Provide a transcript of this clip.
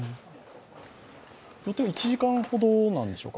予定１時間ほどなんでしょうか？